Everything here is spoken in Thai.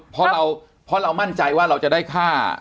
เพราะเรามั่นใจว่าเราจะได้ค่า